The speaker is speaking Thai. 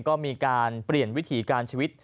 ก็มีการเปลี่ยนวิถีการชีวิต